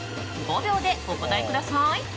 ５秒でお答えください。